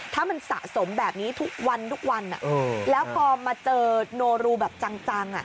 ถ้ามันสะสมแบบนี้ทุกวันทุกวันแล้วพอมาเจอโนรูแบบจัง